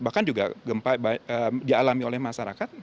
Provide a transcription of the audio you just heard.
bahkan juga gempa dialami oleh masyarakat